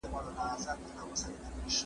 زه به اوږده موده ليک لوستی وم!